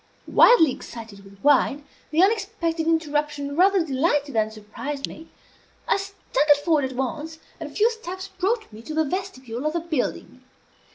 Wildly excited with wine, the unexpected interruption rather delighted than surprised me. I staggered forward at once, and a few steps brought me to the vestibule of the building.